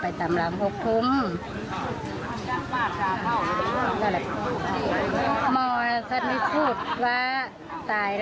เป็นความดันเป็นเบาหวังอะไรแบบนั้น